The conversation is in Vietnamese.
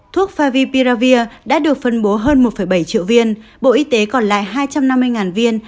thuốc favi piravir đã được phân bố hơn một bảy triệu viên bộ y tế còn lại hai trăm năm mươi viên